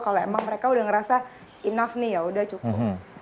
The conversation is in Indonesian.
kalau emang mereka udah ngerasa enough nih ya udah cukup